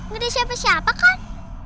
gede siapa siapa kan